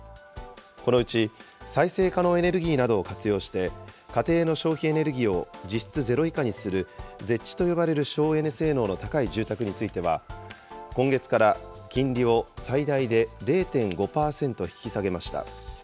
このうち再生可能エネルギーなどを活用して、家庭の消費エネルギーを実質ゼロ以下にするＺＥＨと呼ばれる省エネ性能の高い住宅については、今月から金利を最大で０．５％引き下げました。